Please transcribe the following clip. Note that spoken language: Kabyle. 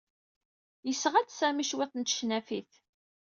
Yesɣa-d Sami cwiṭ n tecnafit.